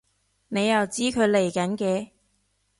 你又知佢嚟緊嘅？